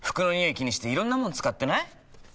気にしていろんなもの使ってない？